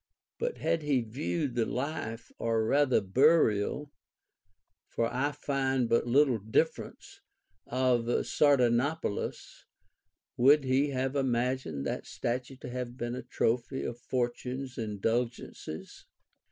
But had he viewed the life or rather burial (for I find but little difference) of Sardanapalus, would he have imagined that statue to have been a trophy of Fortune's indulgences